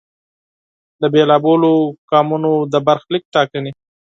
د بېلا بېلو قومونو د برخلیک ټاکنې.